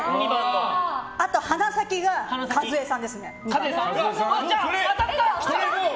あと鼻先が一恵さんですね。